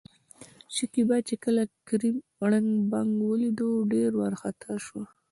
شکيبا چې کله کريم ړنګ، بنګ ولېد ډېره ورخطا شوه.